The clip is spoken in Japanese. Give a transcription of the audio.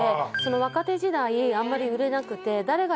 若手時代あんまり売れなくて。